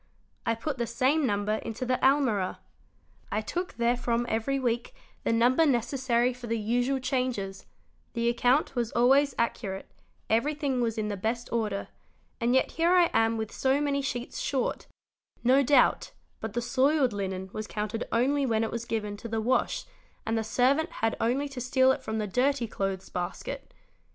I put the same number into the almirah. I took therefrom every week the RNS) rere iw so %' ie 1A ANS number necessary for the usual changes; the account was always accu rate, everything was in the best order, and yet here I am with so many 'sheets short''; no doubt, but the soiled linen was counted only when it was given to the wash and the servant had only to steal it from the dirty ste be oaT, NUE SEROUS wets ) clothes basket.